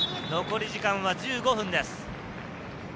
残り時間は１５分です。